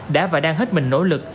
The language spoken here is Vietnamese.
đã và đang hết mình nỗ lực